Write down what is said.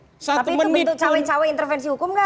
tapi itu bentuk cawe cawe intervensi hukum nggak